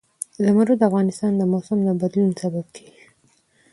زمرد د افغانستان د موسم د بدلون سبب کېږي.